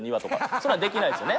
そんなんできないですよね